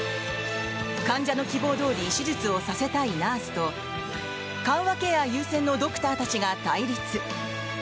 患者の希望どおり手術をさせたいナースと緩和ケア優先のドクターたちが対立。